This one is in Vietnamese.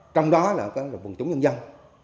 trong đó là vùng trúng nhân dân